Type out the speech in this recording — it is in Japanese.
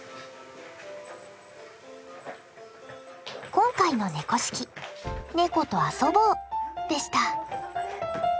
今回の「猫識」「ネコと遊ぼう！」でした。